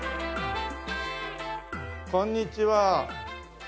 こんにちは。